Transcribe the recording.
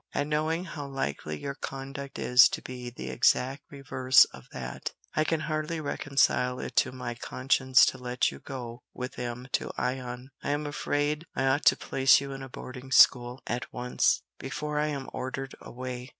And knowing how likely your conduct is to be the exact reverse of that, I can hardly reconcile it to my conscience to let you go with them to Ion. I am afraid I ought to place you in a boarding school at once, before I am ordered away."